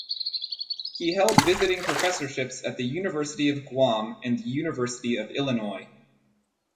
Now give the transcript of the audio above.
He held visiting professorships at the University of Guam and the University of Illinois.